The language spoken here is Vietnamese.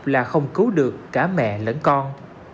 là không cứu được cả mẹ lẫn con